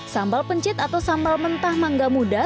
sambal pencit atau sambal mentah mangga muda